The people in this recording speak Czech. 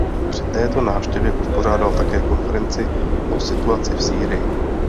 Při této návštěvě uspořádal také konferenci o situaci v Sýrii.